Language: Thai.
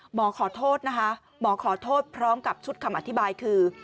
หมอขอโทษนะคะหมอขอโทษพร้อมกับชุดคำอธิบายคือ